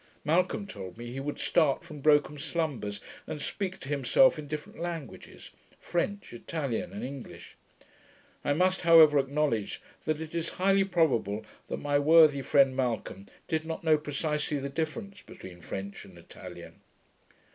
Malcolm told me he would start from broken slumbers, and speak to himself in different languages, French, Italian, and English. I must however acknowledge, that it is highly probable that my worthy friend Malcolm did not know precisely the difference between French and Italian.